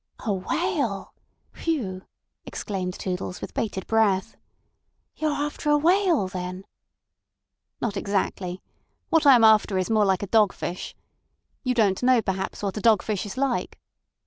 "A whale. Phew!" exclaimed Toodles, with bated breath. "You're after a whale, then?" "Not exactly. What I am after is more like a dog fish. You don't know perhaps what a dog fish is like."